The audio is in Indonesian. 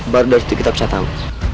baru dari itu kita bisa tau